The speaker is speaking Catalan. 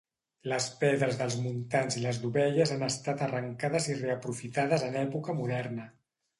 Les pedres dels muntants i les dovelles han estat arrencades i reaprofitades en època moderna.